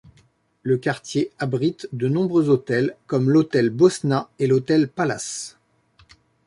Le quartier abrite de nombreux hôtels comme l'Hôtel Bosna et l'Hôtel Palas.